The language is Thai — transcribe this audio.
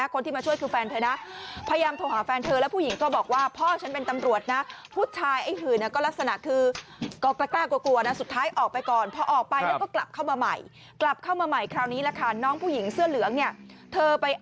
คุณผู้ชมแล้วไม่ใช่แค่นี้นะ